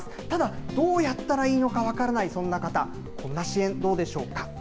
ただ、どうやったらいいのか分からない、そんな方、こんな支援、どうでしょうか。